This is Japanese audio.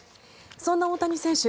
そんな大谷選手